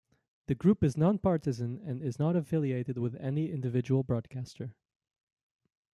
The group is non-partisan and is not affiliated with any individual broadcaster.